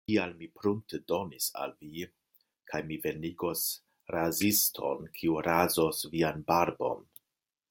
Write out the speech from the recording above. Tial, mi prunte donis al vi, kaj mi venigos raziston kiu razos vian barbon.